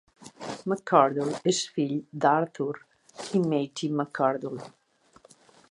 McCardell és fill d'Arthur i Mattie McCardell.